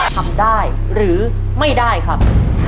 ทำได้หรือไม่ได้ครับ